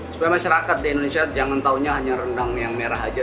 supaya masyarakat di indonesia jangan tahunya hanya rendang yang merah aja